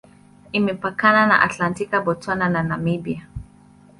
Imepakana na Atlantiki, Botswana na Namibia.